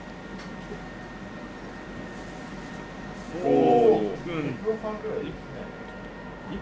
お！